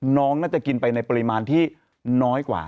น้องน่าจะกินไปในปริมาณที่น้อยกว่า